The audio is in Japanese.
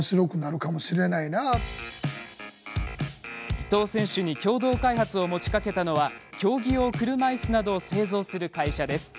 伊藤選手に共同開発を持ちかけたのは競技用車いすなどを製造する会社です。